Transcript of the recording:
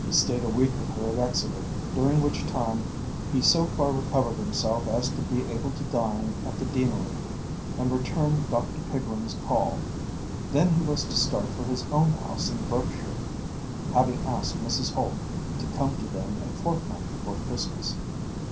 He stayed a week with her at Exeter, during which time he so far recovered himself as to be able to dine at the deanery, and return Dr. Pigrum's call. Then he was to start for his own house in Berkshire, having asked Mrs. Holt to come to them a fortnight before Christmas.